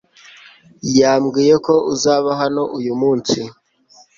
yambwiye ko uzaba hano uyu munsi.